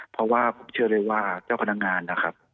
เพราะว่าผมเชื่อเลยว่าเจ้าพนักงานนะครับ